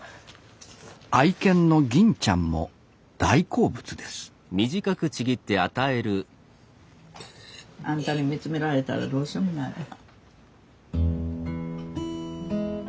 愛犬のぎんちゃんも大好物ですあんたに見つめられたらどうしようもないわ。